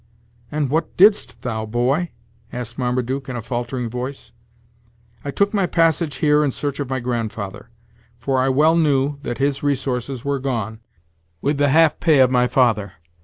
"And what didst thou, boy?" asked Marmaduke in a faltering voice. "I took my passage here in search of my grandfather; for I well knew that his resources were gone, with the half pay of my father.